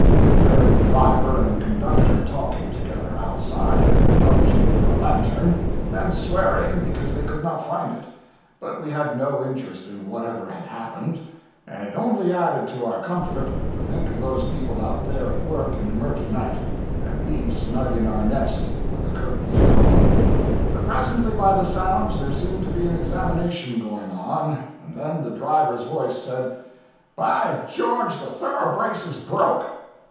We heard the driver and conductor talking together outside, and rummaging for a lantern, and swearing because they could not find it—but we had no interest in whatever had happened, and it only added to our comfort to think of those people out there at work in the murky night, and we snug in our nest with the curtains drawn. But presently, by the sounds, there seemed to be an examination going on, and then the driver's voice said: "By George, the thoroughbrace is broke!"